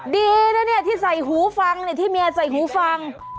ดีนะเนี่ยที่ใส่หูฟังที่เมียใส่หูฟัง